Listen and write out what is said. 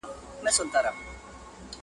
صحرايي چي ورته وکتل حیران سو٫